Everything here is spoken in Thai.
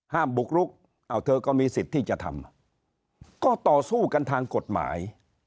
บุกรุกเธอก็มีสิทธิ์ที่จะทำก็ต่อสู้กันทางกฎหมาย